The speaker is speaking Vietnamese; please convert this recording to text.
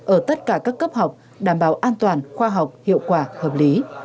ở tất cả các cấp học đảm bảo an toàn khoa học hiệu quả hợp lý